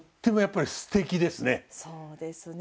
そうですね。